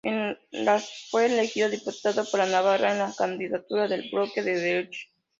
En las fue elegido diputado por Navarra en la candidatura del Bloque de Derechas.